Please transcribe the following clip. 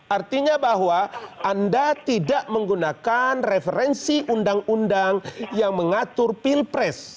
artinya bahwa anda tidak menggunakan referensi undang undang yang mengatur pilpres